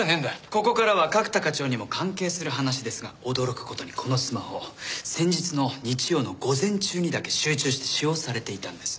ここからは角田課長にも関係する話ですが驚く事にこのスマホ先日の日曜の午前中にだけ集中して使用されていたんです。